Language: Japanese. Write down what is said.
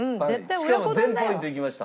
しかも全ポイントいきました。